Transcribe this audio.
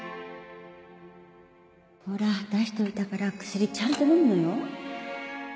ほら出しといたから薬ちゃんと飲むのよ